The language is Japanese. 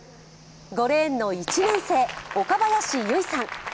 ５レーンの１年生、岡林結衣さん。